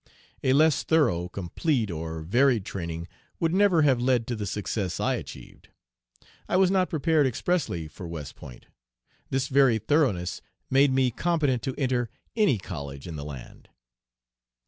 A less thorough, complete, or varied training would never have led to the success I achieved. I was not prepared expressly for West Point. This very thoroughness made me competent to enter any college in the land.